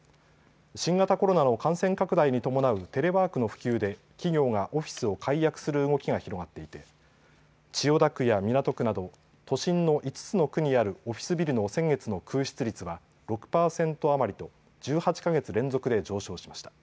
新型コロナの感染拡大に伴うテレワークの普及で企業がオフィスを解約する動きが広がっていて千代田区や港区など都心の５つの区にあるオフィスビルの先月の空室率は６％余りと１８か月連続で上昇しました。